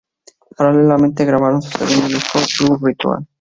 Paralelamente grabaron su segundo disco, Blood Ritual.